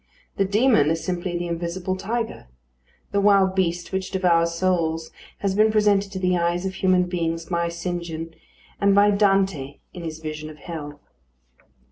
The demon is simply the invisible tiger. The wild beast which devours souls has been presented to the eyes of human beings by St. John, and by Dante in his vision of Hell.